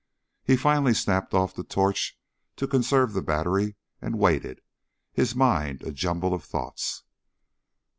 He finally snapped off the torch to conserve the battery and waited, his mind a jumble of thoughts.